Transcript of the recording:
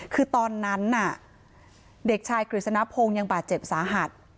คือตอนนั้นน่ะเด็กชายกฤษณพงศ์ยังบาดเจ็บสาหัส